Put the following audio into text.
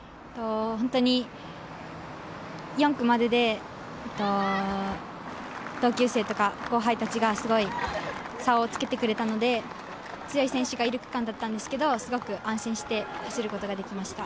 本当に４区までで、同級生とか後輩たちがすごい差をつけてくれたので、強い選手がいる区間だったんですけれども、すごく安心して走ることができました。